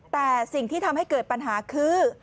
แต่สิ่งที่ทำให้เกิดปัญหาคือ